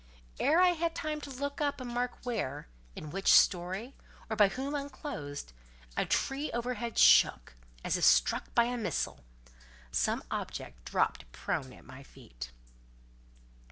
Ere I had time to look up and mark where, in which story, or by whom unclosed, a tree overhead shook, as if struck by a missile; some object dropped prone at my feet.